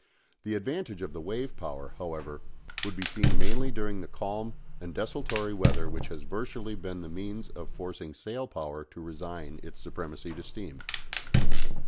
The advantage of the wave power, however, would be seen mainly during the calm and desultory weather which has virtually been the means of forcing sail power to resign its supremacy to steam.